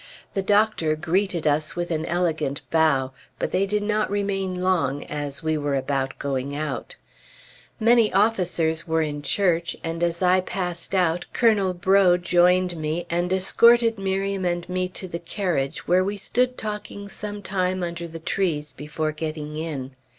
The Doctor greeted us with an elegant bow, but they did not remain long, as we were about going out. Many officers were in church, and as I passed out, Colonel Breaux joined me, and escorted Miriam and me to the carriage, where we stood talking some time under the trees before getting in.